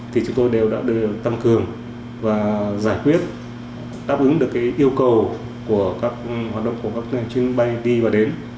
thì chúng tôi đều đã được tăng cường và giải quyết đáp ứng được cái yêu cầu của các hoạt động của các chuyên bay đi và đến